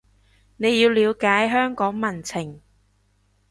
你要了解香港民情